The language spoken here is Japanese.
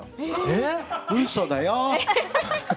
えっ⁉うそだよ！